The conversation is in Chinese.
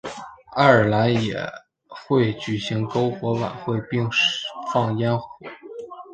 爱尔兰也会举行篝火晚会并放焰火。